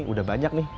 udah banyak nih